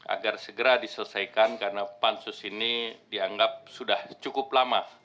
agar segera diselesaikan karena pansus ini dianggap sudah cukup lama